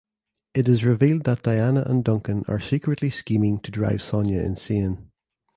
It is revealed that Diana and Duncan are secretly scheming to drive Sonia insane.